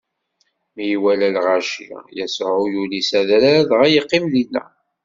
Mi iwala lɣaci, Yasuɛ yuli s adrar dɣa yeqqim dinna.